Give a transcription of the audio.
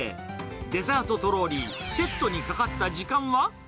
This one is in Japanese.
デザートトローリー、セットにかかった時間は。